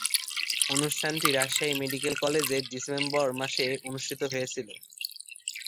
অনুষ্ঠানটি রাজশাহী মেডিকেল কলেজে ডিসেম্বর মাসে অনুষ্ঠিত হয়েছিলো।